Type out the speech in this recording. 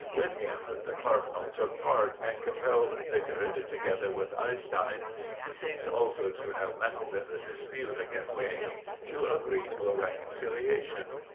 With him the cardinal took part, and compelled Sigurd, together with Eystein, who seems also to have meddled in the dispute against Inge, to agree to a reconciliation.